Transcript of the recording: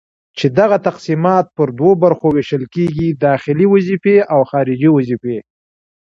چي دغه تقسيمات پر دوو برخو ويشل کيږي:داخلي وظيفي او خارجي وظيفي